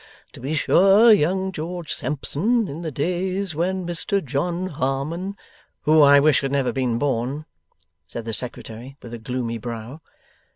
To be sure, young George Sampson, in the days when Mr John Harmon ' 'Who I wish had never been born!' said the Secretary, with a gloomy brow.